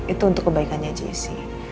itu untuk kebaikannya jessi